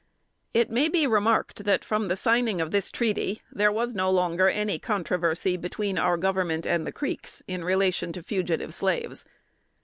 It may be remarked that from the signing of this treaty, there was no longer any controversy between our Government and the Creeks in relation to fugitive slaves.